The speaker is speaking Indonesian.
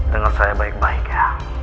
dengar saya baik baik ya